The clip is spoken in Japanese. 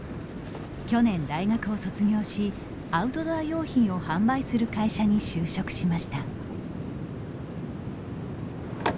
去年、大学を卒業しアウトドア用品を販売する会社に就職しました。